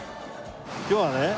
今日はね